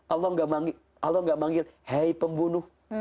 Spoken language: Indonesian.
allah nggak manggil allah nggak manggil hei pembunuh